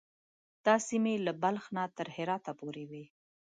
دا سیمې له بلخ نه تر هرات پورې وې.